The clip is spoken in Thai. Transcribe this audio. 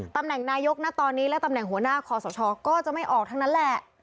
ตำแหน่งนายกนะตอนนี้และตำแหน่งหัวหน้าคอสชก็จะไม่ออกทั้งนั้นแหละ